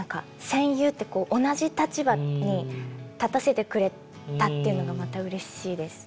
戦友ってこう同じ立場に立たせてくれたっていうのがまたうれしいです。